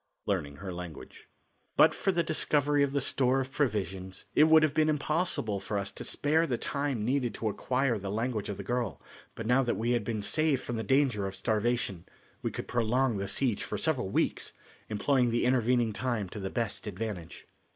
Learning Her Language. But for the discovery of the store of provisions it would have been impossible for us to spare the time needed to acquire the language of the girl, but now that we had been saved from the danger of starvation, we could prolong the siege for several weeks, employing the intervening time to the best advantage.